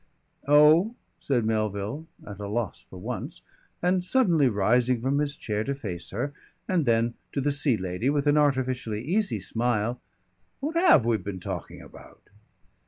"Oh!" said Melville, at a loss for once, and suddenly rising from his chair to face her, and then to the Sea Lady with an artificially easy smile, "What have we been talking about?"